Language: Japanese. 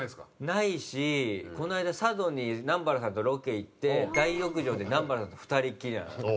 ないしこの間佐渡に南原さんとロケ行って大浴場で南原さんと２人っきりなの。